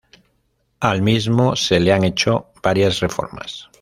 Al mismo se le han hecho varias reformas.